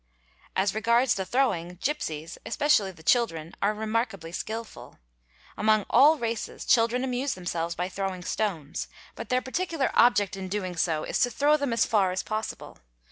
As regards the throwing, gipsies, |: especially the children, are remarkably skilful. Among ¢ Il : races children amuse themselves by throwing stones, but their particular object in doing so is to throw them as far as possible.